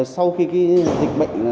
sau khi dịch bệnh